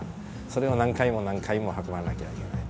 それを何回も何回も運ばなきゃいけない。